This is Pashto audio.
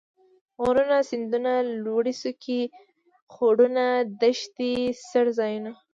غرونه ،سيندونه ،لوړې څوکي ،خوړونه ،دښتې ،څړ ځايونه